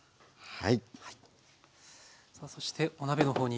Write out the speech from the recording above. はい。